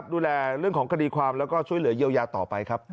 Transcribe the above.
ดูแลเรื่องของคดีความแล้วก็ช่วยเหลือเยียวยาต่อไปครับ